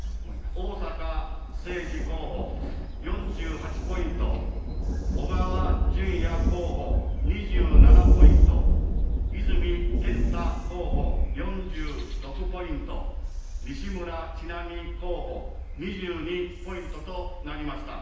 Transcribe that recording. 逢坂誠二候補、４８ポイント、小川淳也候補、２７ポイント、泉健太候補、４６ポイント、西村智奈美候補、２２ポイントとなりました。